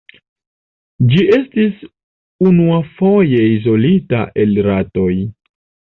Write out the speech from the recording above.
Ĝi estis unuafoje izolita el ratoj.